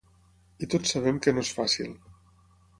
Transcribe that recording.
I tots sabem que no és fàcil.